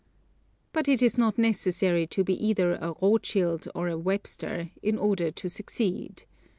But it is not necessary to be either a Rothschild or a Webster, in order to succeed.